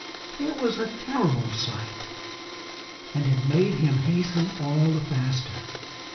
It was a terrible sight. And it made him hasten all the faster.